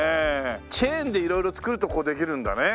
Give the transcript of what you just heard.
チェーンで色々作るとこうできるんだね。